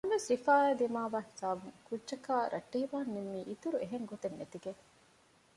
ނަމަވެސް ރިފާއާ ދިމާވި ހިސާބުން ކުއްޖަކާ ރައްޓެހިވާން ނިންމީ އިތުރު އެހެން ގޮތެއް ނެތިގެން